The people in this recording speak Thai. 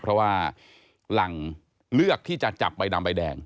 เพราะว่าหลังเลือกที่จะจับใบดำใบแดง